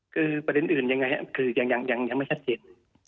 คือประเด็นอื่นยังไงครับคือยังไม่ชัดเจน